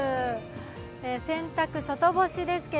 洗濯、外干しですが